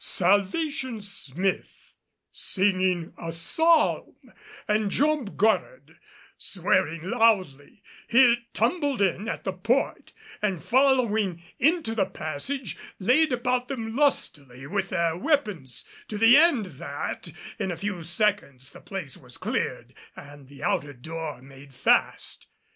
Salvation Smith, singing a psalm, and Job Goddard, swearing loudly, here tumbled in at the port and following into the passage laid about them lustily with their weapons, to the end that in a few seconds the place was cleared and the outer door made fast.